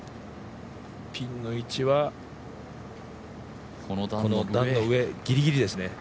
ピンの位置はこの段の上ギリギリですね。